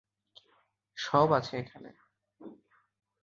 সব আছে এখানে।